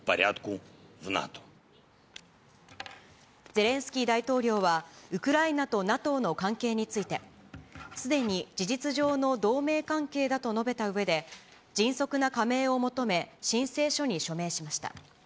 ゼレンスキー大統領は、ウクライナとＮＡＴＯの関係について、すでに事実上の同盟関係だと述べたうえで、迅速な加盟を求め、申請書に署名しました。